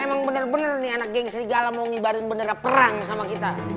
emang bener bener nih anak geng serigala mau ngibarin bendera perang sama kita